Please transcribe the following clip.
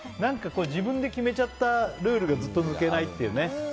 自分で決めちゃったルールがずっと抜けないっていうね。